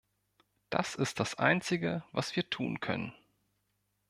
Das ist das Einzige, was wir tun können.